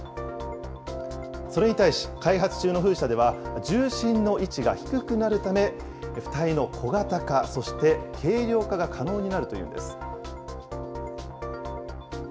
それに対し、開発中の風車では重心の位置が低くなるため、浮体の小型化、そして軽量化が可能になるというんです。